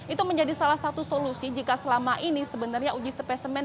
itu menjadi salah satu solusi jika selama ini sebenarnya uji spesimen